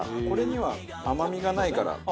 これには甘みがないから。